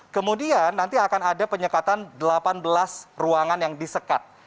kemudian nanti akan ada penyekatan delapan belas ruangan yang disekat